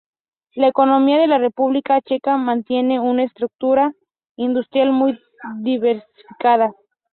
La economía de la República Checa mantiene una estructura industrial muy diversificada.